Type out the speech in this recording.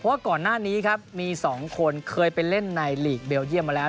ว่าก่อนหน้านี้ครับมี๒คนเคยไปเล่นในหลีกเบลเยี่ยมมาแล้ว